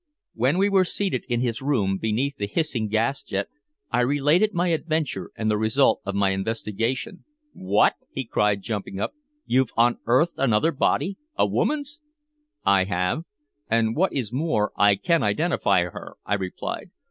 When we were seated in his room beneath the hissing gas jet, I related my adventure and the result of my investigation. "What?" he cried, jumping up. "You've unearthed another body a woman's?" "I have. And what is more, I can identify her," I replied.